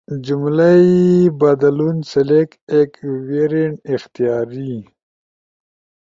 جملئی بدلون، سلیکٹ ایک ویرینٹ[اختیاری]